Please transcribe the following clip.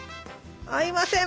合いません。